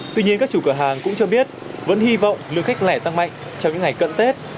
tuy nhiên các chủ cửa hàng cũng cho biết vẫn hy vọng lượng khách lẻ tăng mạnh trong những ngày cận tết